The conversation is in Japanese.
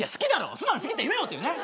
素直に好きって言えよっていうね。